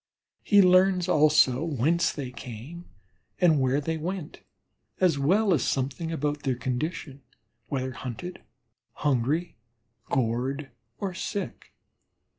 He learns also whence they came and where they went, as well as something about their condition, whether hunted, hungry, gorged, or sick.